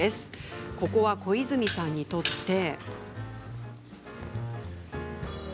ここは小泉さんにとって。